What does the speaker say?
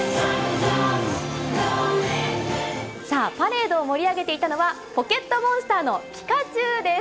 さあ、パレードを盛り上げていたのは、ポケットモンスターのピカチュウです。